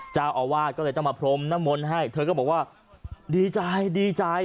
เจ้าอาวาสก็เลยต้องมาพรมน้ำมนต์ให้เธอก็บอกว่าดีใจดีใจ